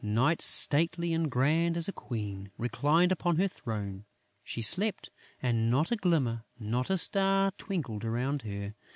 Night, stately and grand as a Queen, reclined upon her throne; she slept; and not a glimmer, not a star twinkled around her.